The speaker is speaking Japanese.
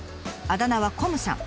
あだ名はこむさん。